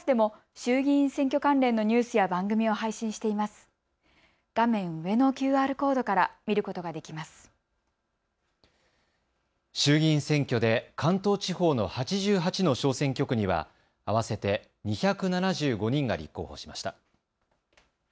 衆議院選挙で関東地方の８８の小選挙区には合わせて２７５人が立候補しました。